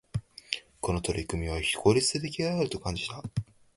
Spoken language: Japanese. この取り組みは、非効率的であると感じた。